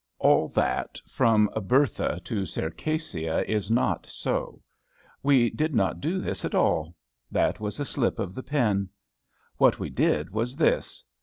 All that, from "Bertha" to "Circassia," is not so. We did not do this at all. That was all a slip of the pen. What we did was this.